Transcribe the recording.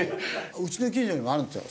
うちの近所にもあるんですよ